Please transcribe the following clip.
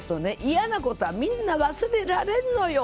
嫌なことはみんな忘れられるのよ。